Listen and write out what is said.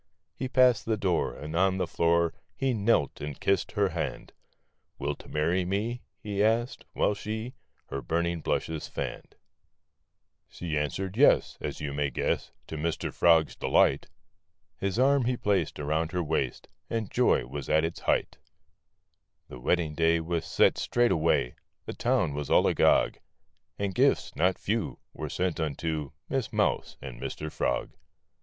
He passed the door, And on the floor He knelt and kissed her hand ;" Wilt marry me?" He asked, while she Her burning blushes fanned THE FROG AND THE MOUSE . She answered "Yes," as you may guess, To Mister Frog's delight; His arm he placed around her waist, And joy was at its height The wedding day was set straightway ; The town was all agog ; And gifts, not few, were sent unto Miss Mouse and Mister Frog.